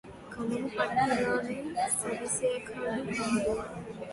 కలము పట్టగానె కవిశేఖరుడు గాడు